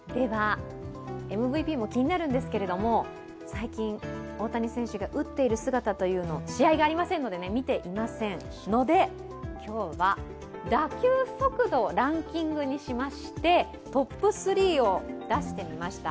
最近、大谷選手が打っている姿を試合がありませんので、見ていませんので今日は打球速度をランキングにしましてトップ３を出してみました。